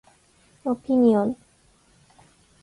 オピニオン